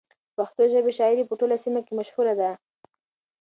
د پښتو ژبې شاعري په ټوله سیمه کې مشهوره ده.